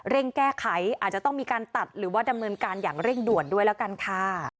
แก้ไขอาจจะต้องมีการตัดหรือว่าดำเนินการอย่างเร่งด่วนด้วยแล้วกันค่ะ